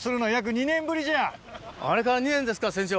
あれから２年ですか船長。